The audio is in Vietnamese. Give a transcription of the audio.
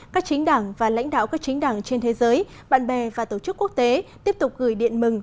các chính đảng và lãnh đạo các chính đảng trên thế giới bạn bè và tổ chức quốc tế tiếp tục gửi điện mừng